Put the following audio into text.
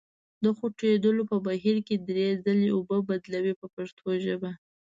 د خوټېدلو په بهیر کې یې درې ځلې اوبه بدلوئ په پښتو ژبه.